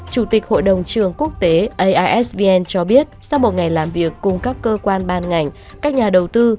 chủ tịch hội đồng trường quốc tế aisvn cho biết sau một ngày làm việc cùng các cơ quan ban ngành các nhà đầu tư